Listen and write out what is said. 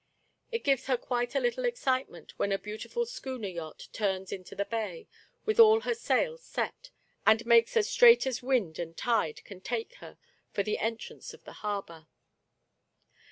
It gives her quite a little excitement when a beau tiful schooner yacht turns into the bay, with all her sails set, and makes as straight as wind and tide can take her for the entrance of the harbor.